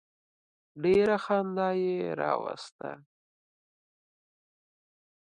ډېره خندا یې راوسته.